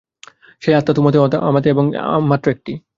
সেই আত্মা তোমাতে ও আমাতে এবং মাত্র একটি।